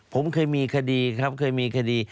ผมเคยมีคดีครับเคยมีคดี